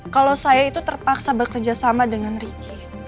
kalau saya itu terpaksa bekerja sama dengan ricky